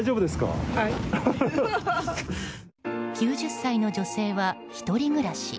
９０歳の女性は１人暮らし。